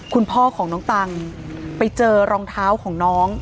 คุณพ่อของน้องตังไปเจอรองเท้าของน้อง